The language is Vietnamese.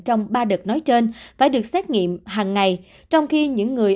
trong ba đợt nói trên phải được xét nghiệm hàng ngày trong khi những người